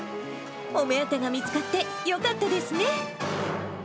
お目当てが見つかってよかったですね。